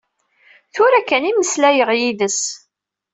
Tura kan i mmeslayeɣ yid-s.